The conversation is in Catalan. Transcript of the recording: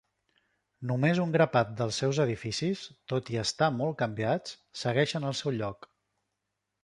Només un grapat dels seus edificis, tot i estar molt canviats, segueixen al seu lloc.